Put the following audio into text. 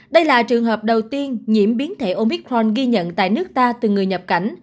đây là trường hợp đầu tiên nhiễm biến thể omicron ghi nhận tại nước ta từ người nhập cảnh